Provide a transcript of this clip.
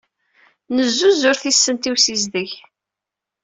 Nezzuzur tisent i usiszdeg.